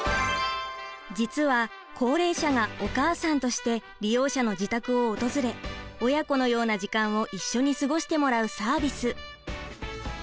実は高齢者がお母さんとして利用者の自宅を訪れ親子のような時間を一緒に過ごしてもらうサービス。